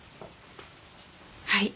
はい。